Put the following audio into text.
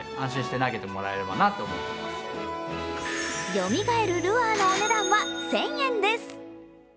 よみがえるルアーのお値段は１０００円です。